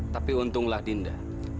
tapi untunglah dinda